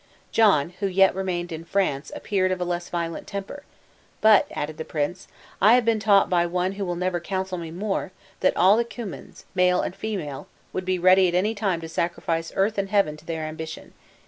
John, who yet remained in France, appeared of a less violent temper; "but," added the prince, "I have been taught by one who will never counsel me more, that all the Cummins, male and female, would be ready at any time to sacrifice earth and heaven to their ambition.